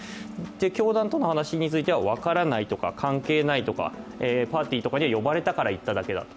教団との話については、分からないとか関係ないとか、パーティーには呼ばれたから行ったからだと。